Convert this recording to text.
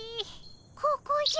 ここじゃ。